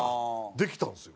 できたんですよ。